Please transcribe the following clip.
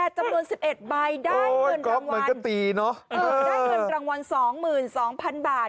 ๑๘จำนวน๑๑ใบได้เงินรางวัล๒๒๐๐๐บาท